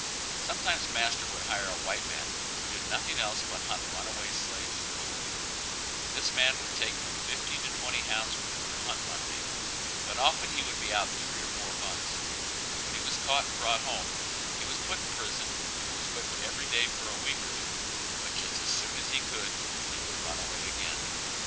Sometimes master would hire a white man who did nothing else but hunt runaway slaves for a living; this man would take from fifteen to twenty hounds with him to hunt Monday, but often he would be out three or four months; when he was caught and brought home, he was put in prison and was whipped every day for a week or two, but just as soon as he could he would run away again.